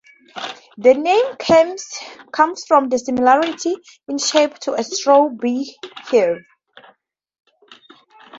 The name comes from the similarity in shape to a straw beehive.